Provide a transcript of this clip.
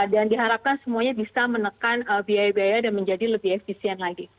dan diharapkan semuanya bisa menekan biaya biaya dan menjadi lebih efisien lagi